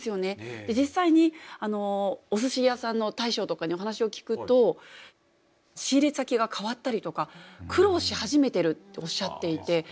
実際にお寿司屋さんの大将とかにお話を聞くと仕入れ先が変わったりとか苦労し始めてるっておっしゃっていて。